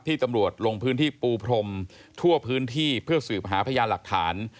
ตำรวจลงพื้นที่ปูพรมทั่วพื้นที่เพื่อสืบหาพยานหลักฐาน